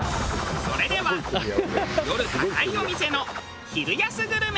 それでは夜高いお店の昼安グルメ。